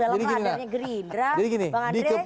jadi gini dikini dikini